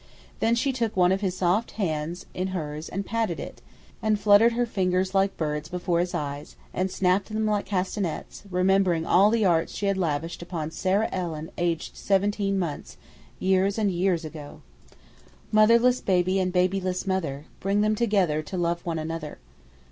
Then she took one of his soft hands in hers and patted it, and fluttered her fingers like birds before his eyes, and snapped them like castanets, remembering all the arts she had lavished upon "Sarah Ellen, aged seventeen months," years and years ago. Motherless baby and babyless mother, Bring them together to love one another.